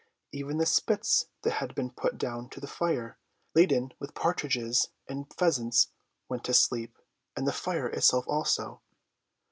Even the spits that had been put down to the fire, laden with partridges and pheasants, went to sleep, and the fire itself also.